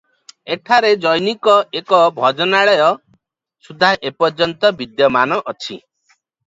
ଏଠାରେ ଜୈନଙ୍କର ଏକ ଭଜନାଳୟ ସୁଦ୍ଧା ଏପର୍ଯ୍ୟନ୍ତ ବିଦ୍ୟମାନ ଅଛି ।